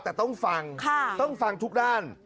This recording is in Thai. แต่ต้องฟังต้องฟังทุกด้าน